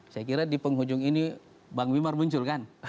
saya kira di penghujung ini bang wimar muncul kan